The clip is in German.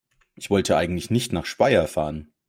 Ich wollte eigentlich nicht nach Speyer fahren